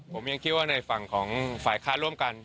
ผมยังคิดว่าในฝั่งของฝ่ายค้านร่วมกัน